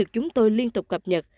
chúng tôi liên tục cập nhật